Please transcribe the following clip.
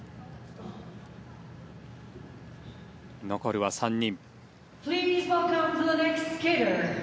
残るは３人。